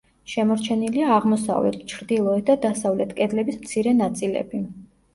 შემორჩენილია აღმოსავლეთ, ჩრდილოეთ და დასავლეთ კედლების მცირე ნაწილები.